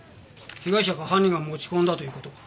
被害者か犯人が持ち込んだという事か？